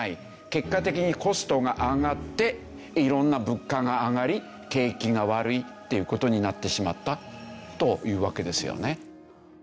結果的にコストが上がって色んな物価が上がり景気が悪いっていう事になってしまったというわけですよね。